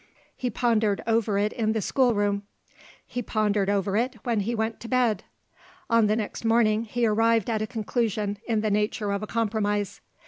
He pondered over it in the schoolroom; he pondered over it when he went to bed. On the next morning, he arrived at a conclusion in the nature of a compromise.